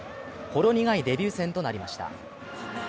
ほろ苦いデビュー戦となりました。